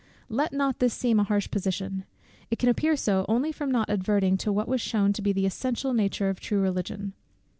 Let not this seem a harsh position; it can appear so only from not adverting to what was shewn to be the essential nature of true Religion.